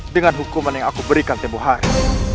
dengan hukuman yang aku berikan temu hari